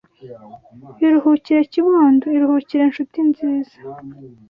iruhukire kibondo, iruhukire nshuti nziza,